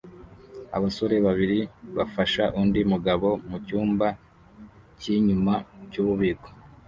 Abasore babiri bafasha undi mugabo mucyumba cyinyuma cyububiko